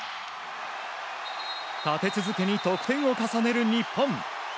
立て続けに得点を重ねる日本。